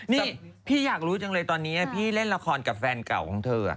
นี่พี่อยากรู้จังเลยตอนนี้พี่เล่นละครกับแฟนเก่าของเธอ